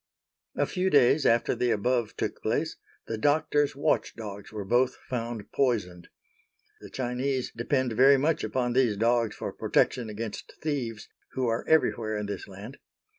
A few days after the above took place, the doctor's watchdogs were both found poisoned. The Chinese depend very much upon these dogs for protection against thieves, who are everywhere in this land.